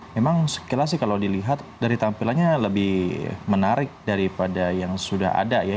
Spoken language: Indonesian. memang sekilas sih kalau dilihat dari tampilannya lebih menarik daripada yang sudah ada ya